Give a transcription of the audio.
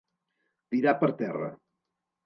Tirar per terra.